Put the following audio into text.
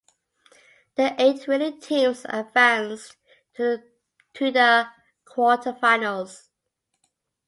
The eight winning teams advanced to the quarterfinals.